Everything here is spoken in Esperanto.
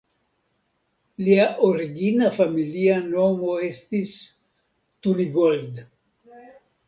Lia origina familia nomo estis "Tunigold.